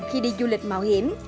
khi đi du lịch mạo hiểm